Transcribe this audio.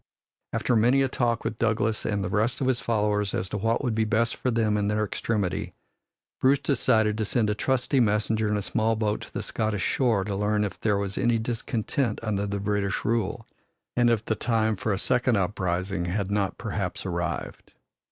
After many a talk with Douglas and the rest of his followers as to what would be best for them in their extremity, Bruce decided to send a trusty messenger in a small boat to the Scottish shore to learn if there was any discontent under the British rule, and if the time for a second uprising had not perhaps arrived.